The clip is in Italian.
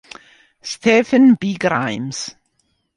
Stephen B. Grimes